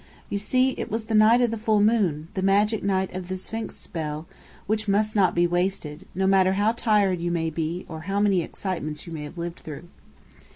You see, it was the night of the full moon, the magic night of the Sphinx spell, which must not be wasted, no matter how tired you may be or how many excitements you may have lived through.